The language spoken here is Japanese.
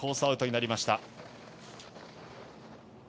アウトになりました。